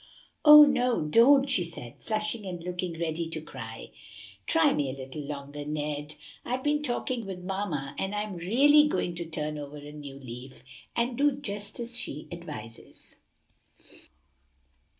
"Oh no, don't!" she said, flushing and looking ready to cry, "try me a little longer, Ned; I've been talking with mamma, and I'm really going to turn over a new leaf and do just as she advises."